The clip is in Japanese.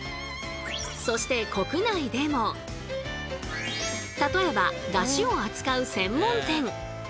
そして例えばだしを扱う専門店。